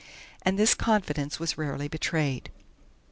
And this confidence was rarely betrayed.